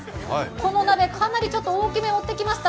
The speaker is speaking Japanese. この鍋、かなり大きめ持ってきました。